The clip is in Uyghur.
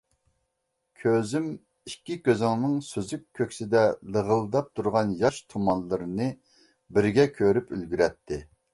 كۆزۈم ئىككى كۆزۈڭنىڭ سۈزۈك كۆكسىدە لىغىلداپ تۇرغان ياش تۇمانلىرىنى بىرگە كۆرۈپ ئۈلگۈرەتتى.